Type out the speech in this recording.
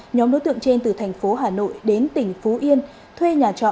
nhóm đối tượng trên từ thành phố hà nội đến tỉnh phú yên thuê nhà trọ